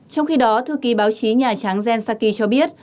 trong khi đó thư ký báo chí nhà trắng jen psaki cho biết